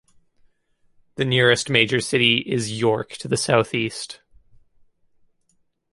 The nearest major city is York, to the south-east.